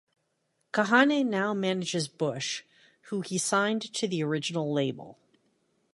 Kahane now manages Bush who he signed to the original label.